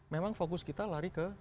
memang fokus kita lari ke